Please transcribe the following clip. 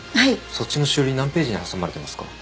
そっちのしおり何ページに挟まれてますか？